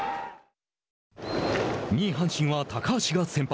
２位阪神は高橋が先発。